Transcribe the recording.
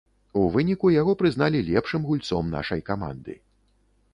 У выніку яго прызналі лепшым гульцом нашай каманды.